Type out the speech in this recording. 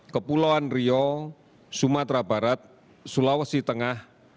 kepulauan rio sumatera barat sulawesi tengah